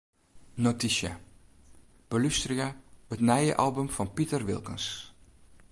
Notysje: Belústerje it nije album fan Piter Wilkens.